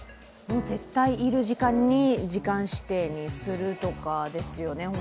絶対いる時間に時間指定にするとかですよね。